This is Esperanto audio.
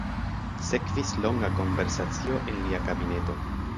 Sekvis longa konversacio en lia kabineto.